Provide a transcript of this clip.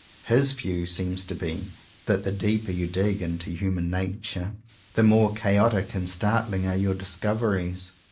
His view seems to be that the deeper you dig into human nature, the more chaotic and startHng are your dis coveries.